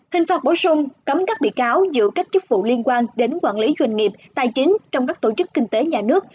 hình phạt bổ sung cấm các bị cáo giữ các chức vụ liên quan đến quản lý doanh nghiệp tài chính trong các tổ chức kinh tế nhà nước